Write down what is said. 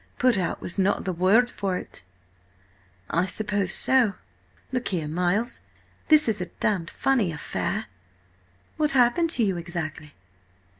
Put out was not the word for it." "I suppose so. Look here, Miles, this is a damned funny affair!" "What happened to you exactly?"